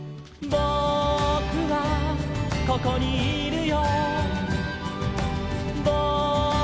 「ぼくはここにいるよ」